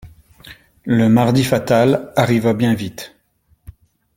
Le mardi fatal arriva bien vite.